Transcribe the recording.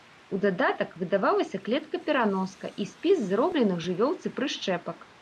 У дадатак выдавалася клетка-пераноска і спіс зробленых жывёлцы прышчэпак.